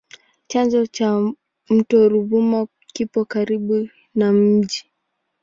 Chanzo cha mto Ruvuma kipo karibu na mji.